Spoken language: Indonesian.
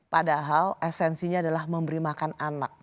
padahal esensinya adalah memberi makan anak